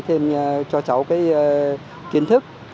thêm cho cháu cái kiến thức